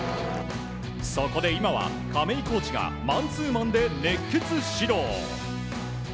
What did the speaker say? そこで今は亀井コーチがマンツーマンで熱血指導。